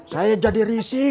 saya jadi risih